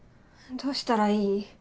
どうしたらいい？